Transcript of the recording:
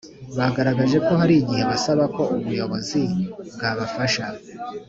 Bagaragaje ko hari igihe basaba ko ubuyobozi bwabafasha